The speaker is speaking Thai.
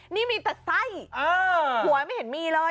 นี่มีแต่ไส้หัวไม่เห็นมีเลย